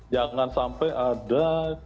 jangan sampai ada